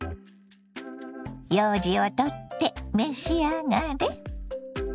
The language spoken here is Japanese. ようじを取って召し上がれ。